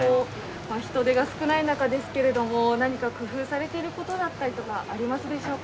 人出が少ない中ですけれども、何か工夫されてることだったりありますでしょうか。